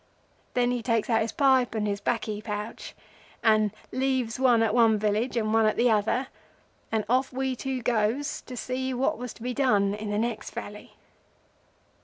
Then he takes out his pipe and his baccy pouch and leaves one at one village, and one at the other, and off we two goes to see what was to be done in the next valley.